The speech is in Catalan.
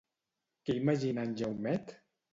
Què imagina en Jaumet?